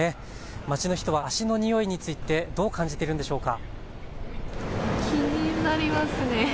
街の人は足の臭いについてどう感じているんでしょうか。